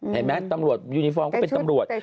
เห็นไหมตำรวจยูนิฟอร์มก็เป็นตำรวจ